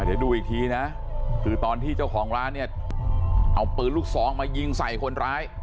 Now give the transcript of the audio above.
เดี๋ยวดูอีกทีนะคือตอนที่เจ้าของร้านเนี่ยเอาปืนลูกซองมายิงใส่คนร้าย